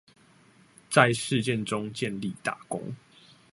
在事件中建立大功